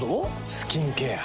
スキンケア。